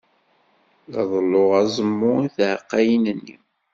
La ḍelluɣ aẓmu i tɛeqqayin-nni.